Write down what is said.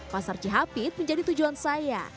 pasar cihapit menjadi tujuan saya